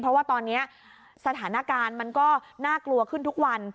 เพราะว่าตอนนี้สถานการณ์มันก็น่ากลัวขึ้นทุกวัน